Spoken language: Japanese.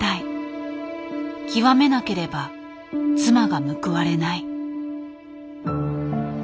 極めなければ妻が報われない。